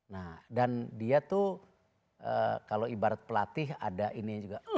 nah dan dia tuh kalau ibarat pelatih ada ini juga